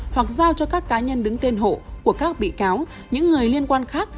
hoặc giao cho các cá nhân đứng tên hộ của các bị cáo những người liên quan khác